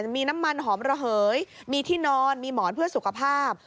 มีน้ำมันหอมระเหยมีที่นอนมีหมอนเพื่อสุขภาพ